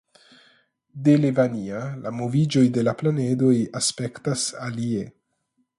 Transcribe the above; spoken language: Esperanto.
De Levania la moviĝoj de la planedoj aspektas alie.